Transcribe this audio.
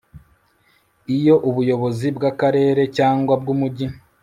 Iyo ubuyobozi bw Akarere cyangwa bw Umujyi